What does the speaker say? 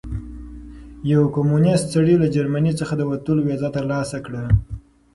یو کمونیست سړي له جرمني څخه د وتلو ویزه ترلاسه کړه.